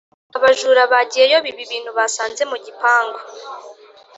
abajura bagiyeyo biba ibintu basanze mu gipangu